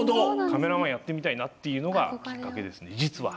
カメラマンやってみたいなっていうのがきっかけですね実は。